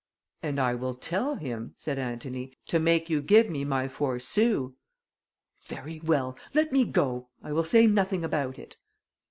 "And I will tell him," said Antony, "to make you give me my four sous." "Very well! Let me go; I will say nothing about it."